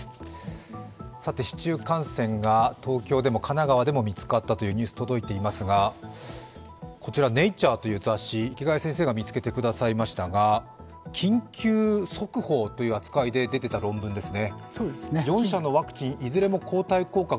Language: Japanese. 市中感染が東京でも神奈川でも見つかったというニュースが届いていますがこちら、「ネイチャー」という雑誌、池谷先生が見つけてくださいましたが、緊急速報という扱いで出ていた論文ですね。